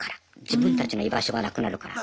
自分たちの居場所がなくなるから。